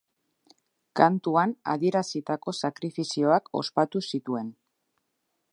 Kantuan adierazitako sakrifizioak ospatu zituen.